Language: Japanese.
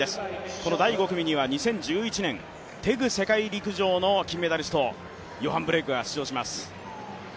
この第５組には２０１１年テグ世界陸上の金メダリストヨハン・ブレイクが出場します。